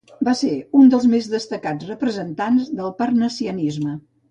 Va ser un dels més destacats representants del parnassianisme.